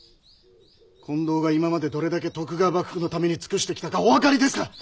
近藤が今までどれだけ徳川幕府のために尽くしてきたかお分かりですか！？